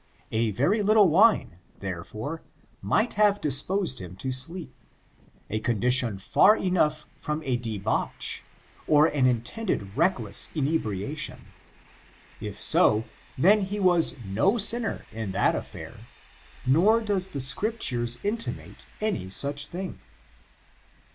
A very little wine, therefore, might have disposed him to sleep, a condition far enough from a debauch, or an intended wreckless inebriation : if so, then he was no sinner in that affair, nor does the Scriptures inti mate any such thing.